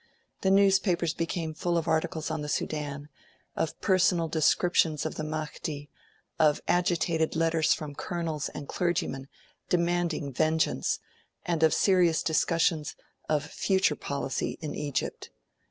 The newspapers became full of articles on the Sudan, of personal descriptions of the Mahdi, of agitated letters from colonels and clergymen demanding vengeance, and of serious discussions of future policy in Egypt.